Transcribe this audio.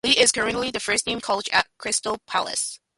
Lee is currently the first team coach at Crystal Palace.